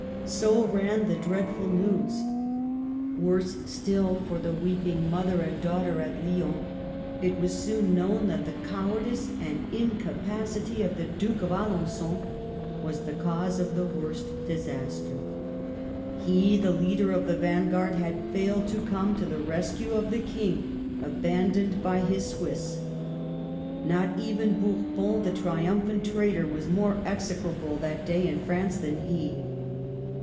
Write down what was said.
So ran the dread ful news. Worse still for the weeping mother and daughter at Lyons, it was soon known that the cowardice and incapacity of the Duke of Alen9on was the cause of the worst disaster. He, the leader of the vanguard, had failed to come to the rescue of the King, abandoned by his Swiss. Not even Bourbon, the triumphant traitor, was more execrable that day in France than he.